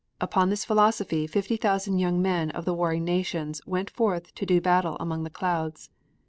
Upon this philosophy fifty thousand young men of the warring nations went forth to do battle among the clouds.